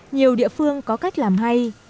nhiều địa phương có cách làm hay